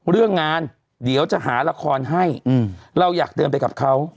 เรื่องงานเดี๋ยวจะหาละครให้เราอยากเดินไปกับเขา